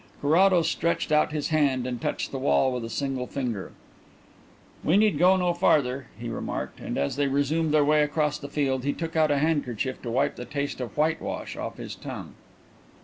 Carrados stretched out his hand and touched the wall with a single finger. "We need go no farther," he remarked, and as they resumed their way across the field he took out a handkerchief to wipe the taste of whitewash off his tongue.